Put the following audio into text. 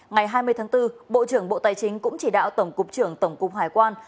ngày hai mươi tháng bốn bộ trưởng bộ tài chính cũng chỉ đạo tổng cục trưởng tổng cục hải quan